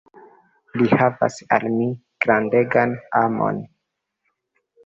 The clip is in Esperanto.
Li havas al mi grandegan amon.